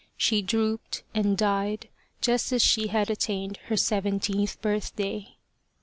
She drooped and died just as she had attained her seventeenth birthday.